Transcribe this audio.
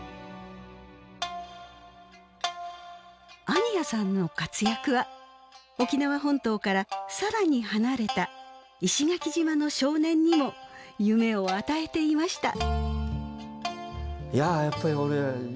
安仁屋さんの活躍は沖縄本島から更に離れた石垣島の少年にも夢を与えていました。